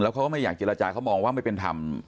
เขาก็ไม่อยากเจรจาเขามองว่าไม่เป็นธรรม